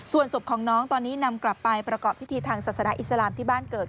ส่วนศพของน้องตอนนี้นำกลับไปประกอบพิธีทางศาสนาอิสลามที่บ้านเกิด